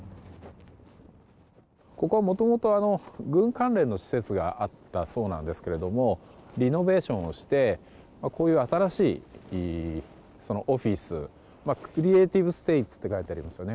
ここはもともと軍関連の施設があったそうですがリノベーションをしてこういう新しいオフィスクリエーティブステイツと書いてありますよね。